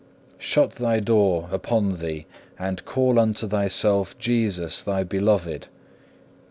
Shut thy door upon thee, and call unto thyself Jesus thy beloved.